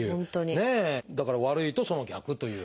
だから悪いとその逆という。